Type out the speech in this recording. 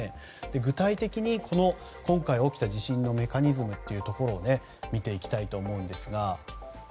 具体的に、今回起きた地震のメカニズムを見ていきたいと思います。